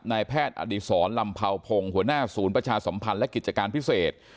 นายแพทย์อดีศรลำเผาพงศ์หัวหน้าศูนย์ประชาสัมพันธ์และกิจการพิเศษ